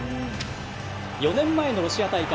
４年前のロシア大会。